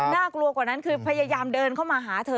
น่ากลัวกว่านั้นคือพยายามเดินเข้ามาหาเธอ